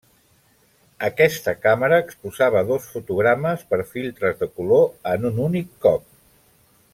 Aquesta càmera exposava dos fotogrames per filtres de color en un únic cop.